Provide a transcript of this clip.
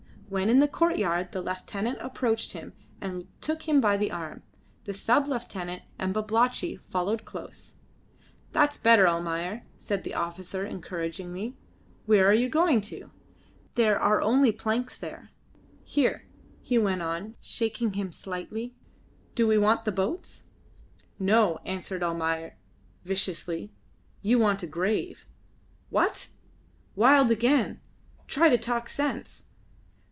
When in the courtyard the lieutenant approached him, and took him by the arm. The sub lieutenant and Babalatchi followed close. "That's better, Almayer," said the officer encouragingly. "Where are you going to? There are only planks there. Here," he went on, shaking him slightly, "do we want the boats?" "No," answered Almayer, viciously. "You want a grave." "What? Wild again! Try to talk sense."